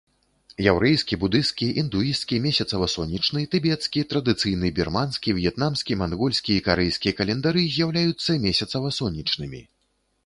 Яўрэйскі, будысцкі, індуісцкі месяцава-сонечны, тыбецкі, традыцыйны бірманскі, в'етнамскі, мангольскі і карэйскі календары з'яўляюцца месяцава-сонечнымі.